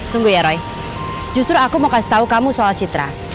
tunggu ya roy justru aku mau kasih tahu kamu soal citra